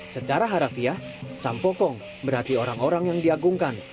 secara harafiah sampokong berarti orang orang yang diagungkan